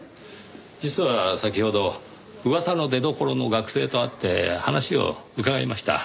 実は先ほど噂の出どころの学生と会って話を伺いました。